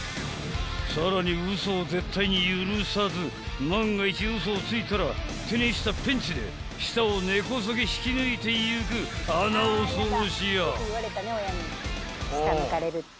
［さらに嘘を絶対に許さず万が一嘘をついたら手にしたペンチで舌を根こそぎ引き抜いていくあな恐ろしや］